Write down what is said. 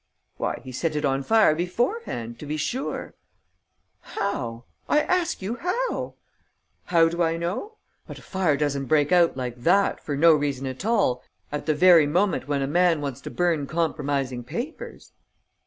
"Why, he set it on fire beforehand, to be sure!" "How? I ask you, how?" "How do I know? But a fire doesn't break out like that, for no reason at all, at the very moment when a man wants to burn compromising papers."